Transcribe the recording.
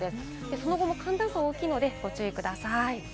その後も寒暖差が大きいのでご注意ください。